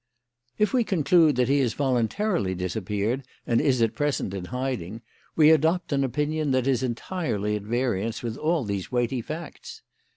"If we conclude that he has voluntarily disappeared and is at present in hiding, we adopt an opinion that is entirely at variance with all these weighty facts.